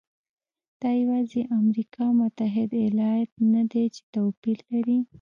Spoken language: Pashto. دا یوازې امریکا متحده ایالات نه دی چې توپیر لري.